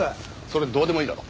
それどうでもいいだろ。